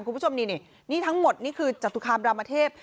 คุณผู้ชมนี่นี่ทั้งหมดนี่คือจตุคามรามเทพ